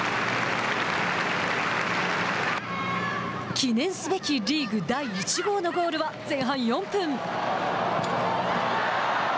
記念すべきリーグ第１号のゴールは前半４分。